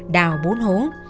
đào bốn hố